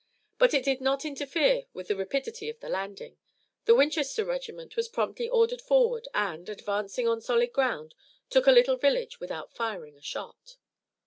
But it did not interfere with the rapidity of the landing. The Winchester regiment was promptly ordered forward and, advancing on solid ground, took a little village without firing a shot.